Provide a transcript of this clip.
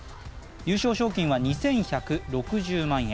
優勝賞金は２１６０万円。